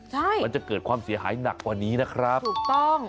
ใช่มันจะเกิดความเสียหายหนักกว่านี้นะครับถูกต้อง